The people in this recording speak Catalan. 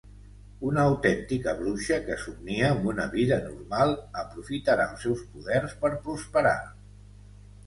Una autèntica bruixa que somnia amb una vida normal aprofitarà els seus poders per prosperar.